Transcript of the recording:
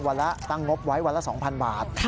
วันละตั้งงบไว้วันละ๒๐๐บาท